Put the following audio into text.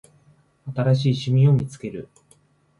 新しい趣味を見つける